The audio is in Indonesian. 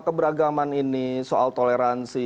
keberagaman ini soal toleransi